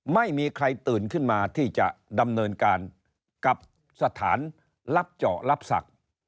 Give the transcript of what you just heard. ไม่มีใครตื่นขึ้นมาที่จะดำเนินการกับสถานรับเจาะรับศักดิ์